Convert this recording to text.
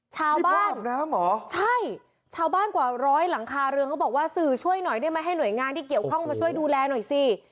ชาวบ้านเหรอใช่ชาวบ้านกว่าร้อยหลังคาเรือนเขาบอกว่าสื่อช่วยหน่อยได้ไหมให้หน่วยงานที่เกี่ยวข้องมาช่วยดูแลหน่อยสิ